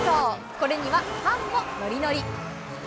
これにはファンもノリノリ。